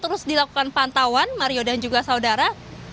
terus dilakukan pantauan mario dan juga saudara